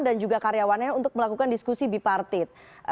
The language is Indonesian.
dan juga karyawannya untuk melakukan diskusi bipartit